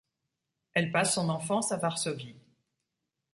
Elle passe son enfance à Varsovie.